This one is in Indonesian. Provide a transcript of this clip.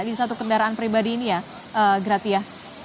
di satu kendaraan pribadi ini ya gratia